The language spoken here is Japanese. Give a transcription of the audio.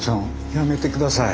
やめてください！